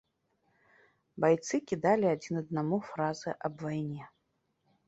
Байцы кідалі адзін аднаму фразы аб вайне.